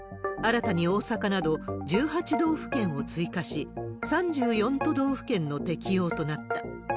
新たに大阪など１８道府県を追加し、３４都道府県の適用となった。